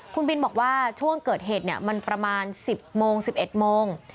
คุณบินบอกว่าช่วงเกิดเหตุมันประมาณ๑๐โมง๑๑โมง